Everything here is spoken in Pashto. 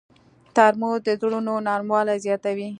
ترموز د زړونو نرموالی زیاتوي.